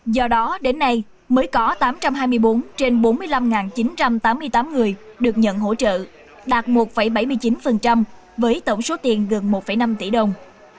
do đó đến nay mới có tám trăm hai mươi bốn trên bốn mươi năm chín trăm tám mươi tám người được nhận hỗ trợ đạt một bảy mươi chín với tổng số tiền gần một năm tỷ đồng